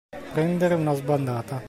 Prendere una sbandata.